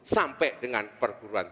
sampai dengan perguruan